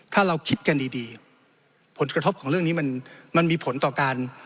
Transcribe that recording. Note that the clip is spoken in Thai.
ถ้าเราคิดกันดีผลกระทบของเรื่องนี้มันมีผลต่อการ